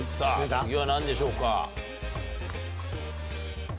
次は何でしょうか。